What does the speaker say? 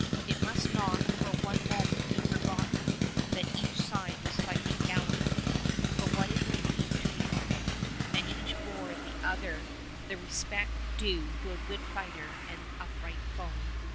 It must not for one moment be forgotten that each side was fighting gallantly for what it believed to be right, and each bore the other the respect due a good fighter and upright foe.